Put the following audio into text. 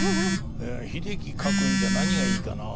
「英樹描くんじゃ何がいいかな？